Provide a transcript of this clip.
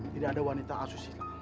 tidak ada wanita asusila